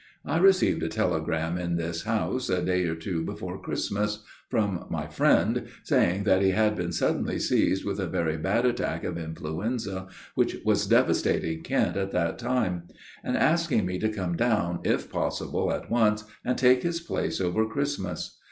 I received a telegram, in this house, a day or two before Christmas, from my friend, saying that he had been suddenly seized with a very bad attack of influenza, which was devastating Kent at that time; and asking me to come down, if possible at once, and take his place over Christmas.